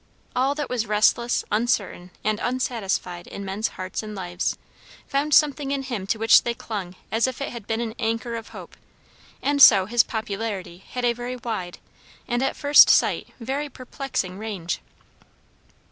All that was restless, uncertain, and unsatisfied in men's hearts and lives, found something in him to which they clung as if it had been an anchor of hope; and so his popularity had a very wide, and at first sight very perplexing range.